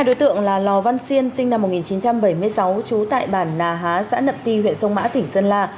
hai đối tượng là lò văn xiên sinh năm một nghìn chín trăm bảy mươi sáu trú tại bản nà há xã nậm ti huyện sông mã tỉnh sơn la